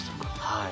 はい。